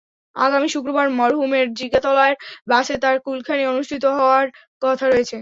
আগামী শুক্রবার মরহুমের জিগাতলার বাসায় তাঁর কুলখানি অনুষ্ঠিত হওয়ার কথা রয়েছে।